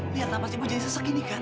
lihat apa sih ibu jadi sesekini kan